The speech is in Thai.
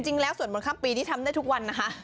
จริงแล้วสวนมนต์ค่าปีนี่ทำได้ทุกวันนะคะ